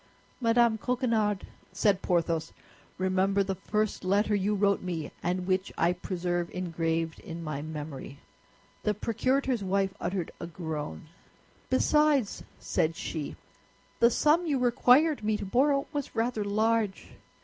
"Madame Coquenard," said Porthos, "remember the first letter you wrote me, and which I preserve engraved in my memory." The procurator's wife uttered a groan. "Besides," said she, "the sum you required me to borrow was rather large."